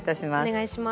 お願いします。